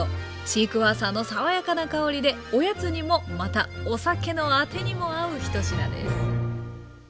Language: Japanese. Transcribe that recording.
シークワーサーのさわやかな香りでおやつにもまたお酒のアテにも合う１品です。